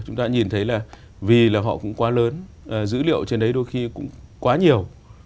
chúng ta nhìn thấy là vì là họ cũng quá lớn dữ liệu trên đấy đôi khi cũng quá nhiều